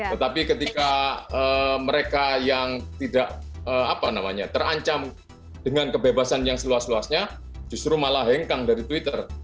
tetapi ketika mereka yang tidak terancam dengan kebebasan yang seluas luasnya justru malah hengkang dari twitter